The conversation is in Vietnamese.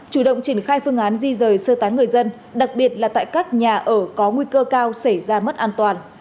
chủ động triển khai phương án di rời sơ tán người dân đặc biệt là tại các nhà ở có nguy cơ cao xảy ra mất an toàn